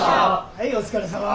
はいお疲れさま。